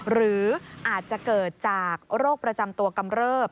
หรืออาจจะเกิดจากโรคประจำตัวกำเริบ